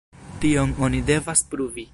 Tion oni devas pruvi.